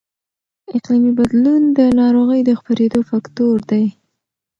اقلیمي بدلون د ناروغۍ د خپرېدو فکتور دی.